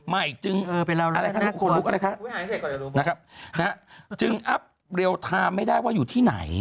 อะไรคะนะครับจึงอัพเรียลไทม์ไม่ได้ว่าอยู่ที่ไหน